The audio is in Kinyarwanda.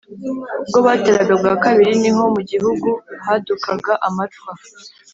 Ubwo bateraga bwa kabiri ni ho mugihugu hadukaga amacwa